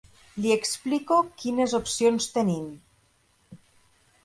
Li explico quines opcions tenim.